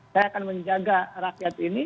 saya akan menjaga rakyat ini